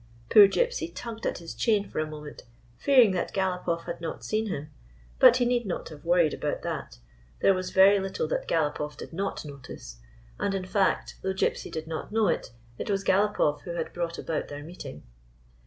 Poor Gypsy tugged at his chain for a moment, fearing that Galopoff had not seen him. But he need not have worried about that. There was very little that Galopoff did not notice; and, in fact, though Gypsy did not know it, it was Galopoff who had brought about their meet ing.